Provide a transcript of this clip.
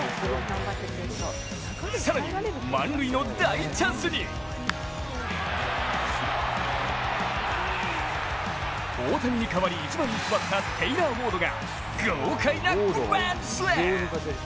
更に満塁の第チャンスに大谷に代わり１番に座ったテイラー・ウォードが豪快なグランドスラム。